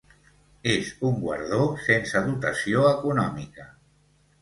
És un guardó sense dotació econòmica.